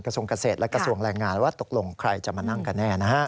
ทรงเกษตรและกระทรวงแรงงานว่าตกลงใครจะมานั่งกันแน่นะฮะ